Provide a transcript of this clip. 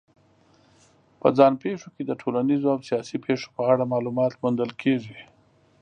په ځان پېښو کې د ټولنیزو او سیاسي پېښو په اړه معلومات موندل کېږي.